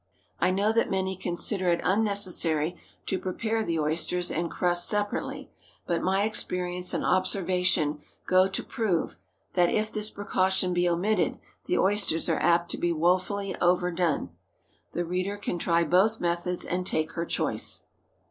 I know that many consider it unnecessary to prepare the oysters and crust separately; but my experience and observation go to prove that, if this precaution be omitted, the oysters are apt to be wofully overdone. The reader can try both methods and take her choice.